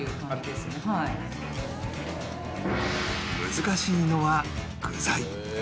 難しいのは具材